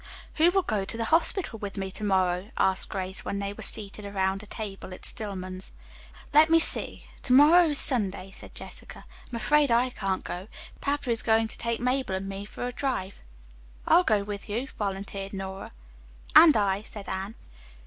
"Who will go to the hospital with me to morrow!" asked Grace when they were seated around a table at Stillman's. "Let me see. To morrow is Sunday," said Jessica. "I'm afraid I can't go. Papa is going to take Mabel and me for a drive." "I'll go with, you," volunteered Nora. "And I," said Anne.